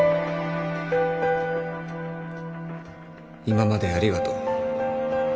今までありがとう